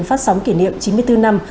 phát sóng kỷ niệm chín mươi bốn năm